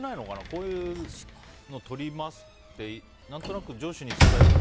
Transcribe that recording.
こういうの取りますってなんとなく上司に伝えて。